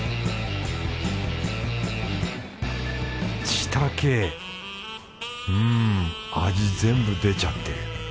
ちたけうん味全部出ちゃってる。